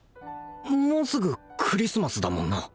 もうすぐクリスマスだもんな